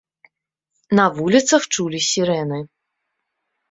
На вуліцах чулі сірэны.